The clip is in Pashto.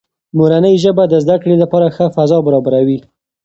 مورنۍ ژبه د زده کړې لپاره ښه فضا برابروي.